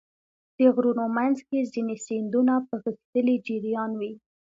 د غرونو منځ کې ځینې سیندونه په غښتلي جریان وي.